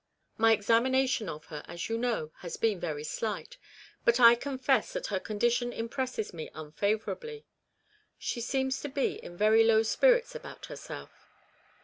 " My examination of her, as you know, has been very slight ; but I confess that her condition impresses me unfavourably. She seems to be in very low spirits about herself."